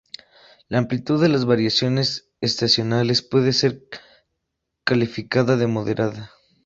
La amplitud de las variaciones estacionales puede ser calificada de moderada.